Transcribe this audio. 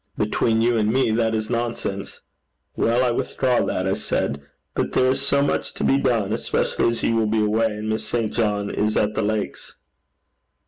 'Between you and me that is nonsense.' 'Well, I withdraw that,' I said. 'But there is so much to be done, specially as you will be away, and Miss St John is at the Lakes.'